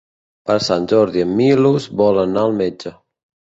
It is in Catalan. Per Sant Jordi en Milos vol anar al metge.